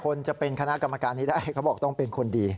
คนจะเป็นคณะกรรมการนี้ได้เขาบอกต้องเป็นคนดี